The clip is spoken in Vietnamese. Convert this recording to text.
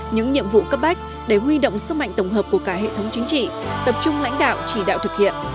những nhiệm vụ cấp bách để huy động sức mạnh tổng hợp của cả hệ thống chính trị tập trung lãnh đạo chỉ đạo thực hiện